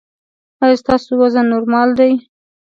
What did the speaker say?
ایا ستاسو وزن نورمال دی؟